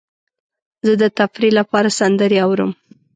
زه د تفریح لپاره سندرې اورم.